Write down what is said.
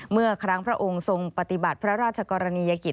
เมื่อครั้งพระองค์ทรงปฏิบัติพระราชกรณียกิจ